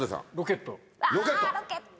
ロケット。